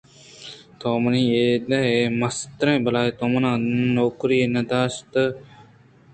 تو منی اد ءِ مسترے بلئے تو من ءَ نوکری نہ داشتگ اَت